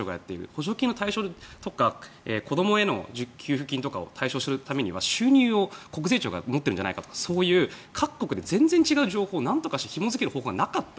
補助金の対象とか子どもへの給付金とかを対象にするためには収入を国税庁が持っているんじゃないかとかそれぞれで全然違う情報をひも付ける方法がなかった。